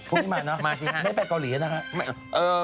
พรุ่งนี้มาเนาะไม่ไปเกาหลีนะฮะไม่ได้เรา